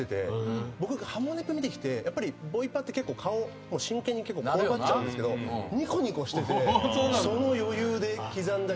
僕が『ハモネプ』見てきてやっぱりボイパって顔真剣にこわばっちゃうんですけどにこにこしててその余裕で刻んだリズムだなと。